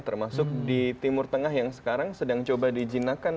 termasuk di timur tengah yang sekarang sedang coba dijinakan